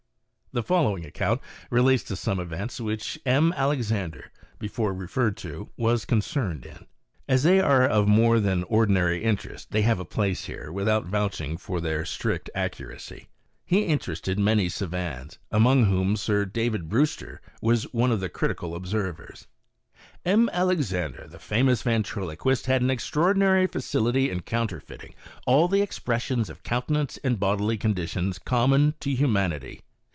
The following account relates to some events which M. Alexandre (before referred to) was concerned in. As they are of more than ordinary interest they have a place here, without vouching for their strict accuracy. He interested many savans, among whom Sir David Brewster was one of the critical ob servers : M. Alexandre, the famous ventriloquist, had an extraordinary facility in counterfeiting all the expressions of countenance and bodily conditions common to humanity.